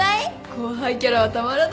後輩キャラはたまらないね。